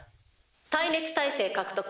対熱耐性獲得。